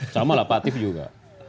sama lah pak atif juga